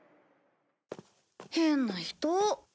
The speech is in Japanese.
変な人。